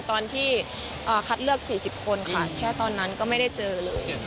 ตอนที่คัดเลือก๔๐คนค่ะแค่ตอนนั้นก็ไม่ได้เจอเลย